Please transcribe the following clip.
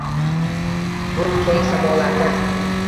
Bu keng samolarda